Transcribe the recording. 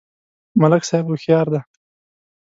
ملک صاحب هوښیار دی.